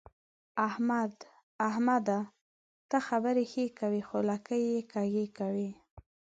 احمده! ته خبرې ښې کوې خو لکۍ يې کږې کوي.